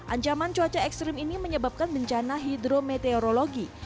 ancaman cuaca ekstrim ini menyebabkan bencana hidrometeorologi